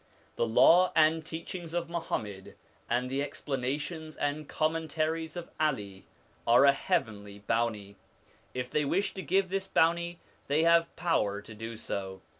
The Law and teachings of Muhammad, and the explana tions and commentaries of 'Ali, are a heavenly bounty ; if they wish to give this bounty they have power to do so.